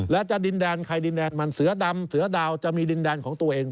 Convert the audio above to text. และจะดินแดนใครดินแดนมันเสือดำเสือดาวจะมีดินแดนของตัวเอง